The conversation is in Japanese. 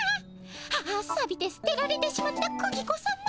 ああさびてすてられてしまったクギ子さま